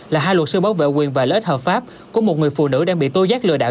là hai luật sư bảo vệ quyền và lợi ích hợp pháp của một người phụ nữ đang bị tố giác lừa đảo